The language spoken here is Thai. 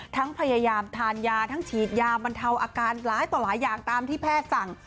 พยายามทานยาทั้งฉีดยาบรรเทาอาการหลายต่อหลายอย่างตามที่แพทย์สั่ง